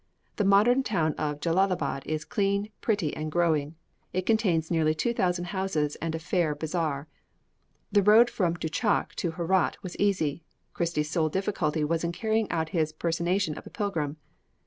The modern town of Jellalabad is clean, pretty, and growing; it contains nearly 2000 houses and a fair bazaar." The road from Douchak to Herat was easy. Christie's sole difficulty was in carrying out his personation of a pilgrim.